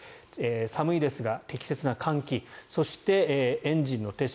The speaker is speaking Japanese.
寒いですが適切な換気そして、エンジンの停止。